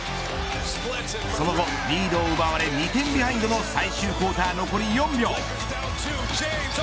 その後リードを奪われ２点ビハインドの最終クオーター残り４秒。